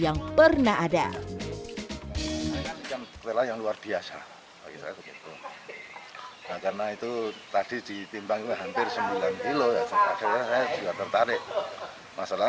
yang pernah ada yang luar biasa karena itu tadi ditimbangkan hampir sembilan kilo juga tertarik masalah